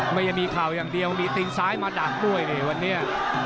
ไม่ได้มีเข่าอย่างเดียวมีตีนซ้ายมาดักด้วยนี่วันนี้